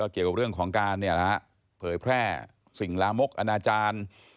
เกี่ยวกับเรื่องของการเผยแพร่สิ่งลามกอนาจารย์